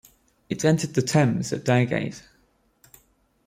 It entered the Thames at Dowgate.